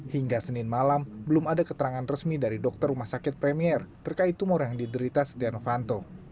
hingga senin malam belum ada keterangan resmi dari dokter rumah sakit premier terkait tumor yang diderita setia novanto